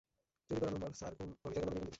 চুরি করা নম্বর, স্যার, কোন অভিষেকের নামে নিবন্ধিত।